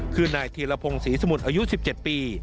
คือนายธีรพงศ์ศรีสมุทรอายุ๑๗ปี